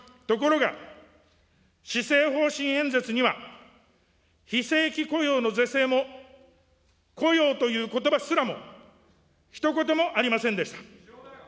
ところが、施政方針演説には、非正規雇用の是正も、雇用ということばすらも、ひと言もありませんでした。